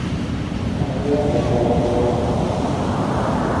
Abasiraamu basaala ku lwakutaano.